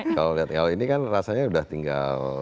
kalau lihat kalau ini kan rasanya sudah tinggal